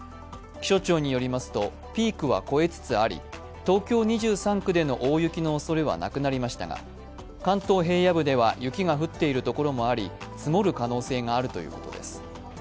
気象庁によりますとピークは超えつつあり、東京２３区での大雪のおそれはなくなりましたが、関東平野部では雪が降っているところもあり積もる可能性があるということです。